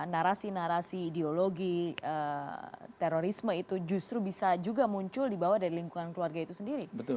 narasi narasi ideologi terorisme itu justru bisa juga muncul dibawa dari lingkungan keluarga itu sendiri